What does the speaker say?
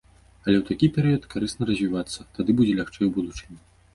Але ў такі перыяд карысна развівацца, тады будзе лягчэй у будучыні.